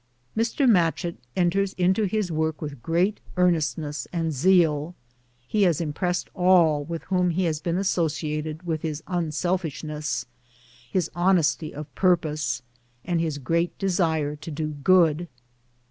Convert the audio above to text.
Mr, Matchett enters into his work with great earnestness and zeal. He has impressed all with whom he has been associated with his unselfishness, his honesty of purpose, and his great desire to do good.